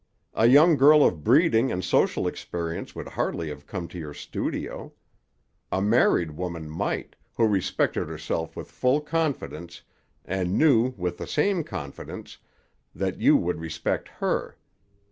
A young girl of breeding and social experience would hardly have come to your studio. A married woman might, who respected herself with full confidence, and knew, with the same confidence, that you would respect her.